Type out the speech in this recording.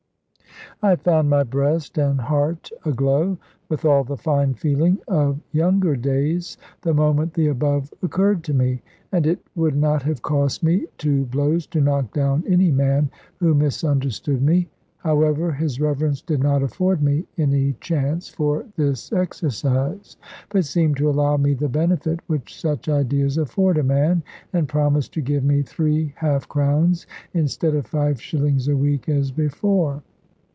I found my breast and heart aglow with all the fine feeling of younger days, the moment the above occurred to me; and it would not have cost me two blows to knock down any man who misunderstood me. However, his Reverence did not afford me any chance for this exercise; but seemed to allow me the benefit which such ideas afford a man; and promised to give me three half crowns, instead of five shillings a week, as before.